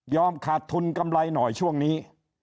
ขาดทุนกำไรหน่อยช่วงนี้